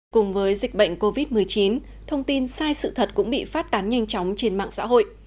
cùng với dịch bệnh covid một mươi chín thông tin sai sự thật cũng bị phát tán nhanh chóng trên mạng xã hội